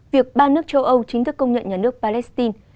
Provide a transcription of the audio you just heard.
việc ba nước châu âu chính thức công nhận nhà nước palestine